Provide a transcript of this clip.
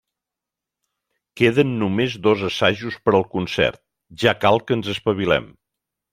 Queden només dos assajos per al concert, ja cal que ens espavilem.